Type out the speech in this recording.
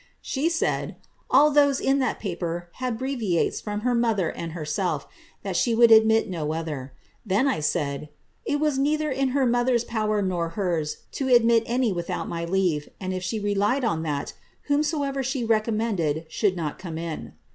She said, 'all those in that paper had breviates firom her mother and herself, and that she would admit no other.' Then I said, * it was neither in her mother's power nor hers to admit any without my leave ; and if she relied on tliat, whomsoever she recommended should not come in.'